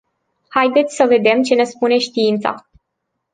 Haideți să vedem ce ne spune știința.